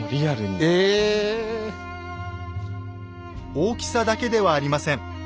大きさだけではありません。